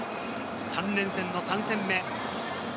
３連戦の３戦目。